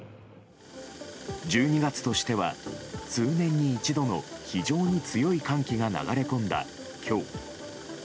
１２月としては数年に一度の非常に強い寒気が流れ込んだ今日。